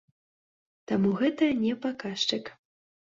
Таму гэта не паказчык.